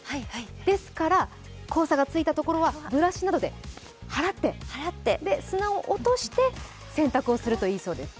ですから黄砂がついたところはブラシなどで払って砂を落として洗濯をするといいそうです。